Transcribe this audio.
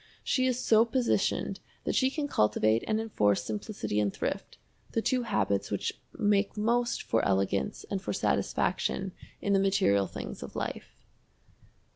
She is so positioned that she can cultivate and enforce simplicity and thrift, the two habits which make most for elegance and for satisfaction in the material things of life.